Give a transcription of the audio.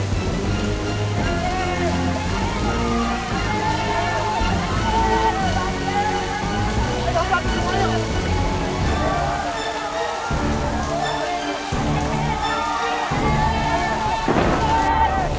kita harus berkemas kita harus berlapsi sekarang